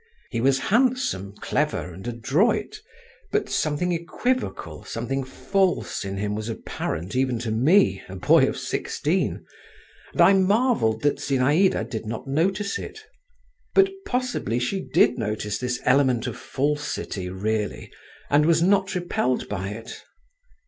He was handsome, clever, and adroit, but something equivocal, something false in him was apparent even to me, a boy of sixteen, and I marvelled that Zinaïda did not notice it. But possibly she did notice this element of falsity really and was not repelled by it.